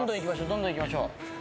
どんどんいきましょう。